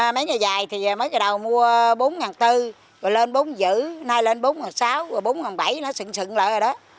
mấy ngày dài thì mới đầu mua bốn bốn trăm linh rồi lên bốn năm trăm linh nay lên bốn sáu trăm linh bốn bảy trăm linh nó sựng sựng lại rồi đó